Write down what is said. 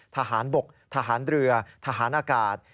ทหารบกทหารเรือทหารอากาศ